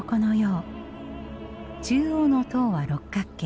中央の塔は六角形。